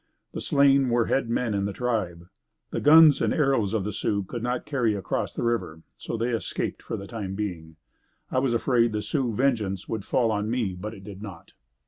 The slain were head men in the tribe. The guns and arrows of the Sioux could not carry across the river, so they escaped for the time being. I was afraid the Sioux vengeance would fall on me, but it did not.